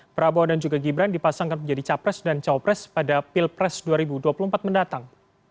prabowo dan juga gibran dipasangkan menjadi capres dan cawapres pada pilpres dua ribu dua puluh empat mendatang